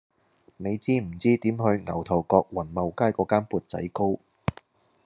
你知唔知點去牛頭角宏茂街嗰間缽仔糕